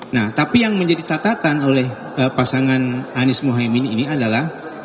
nah tapi yang menjadi catatan oleh pasangan anies mohaimin ini adalah